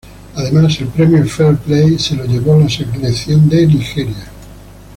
Además el premio Fair play se lo llevó la Selección de Nigeria.